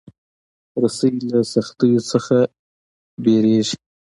رسۍ له سختیو نه نه وېرېږي.